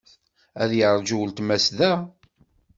Ad yeṛju weltma-s da.